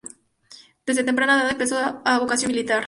Desde temprana edad empezó su vocación militar.